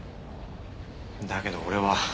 だけど俺は。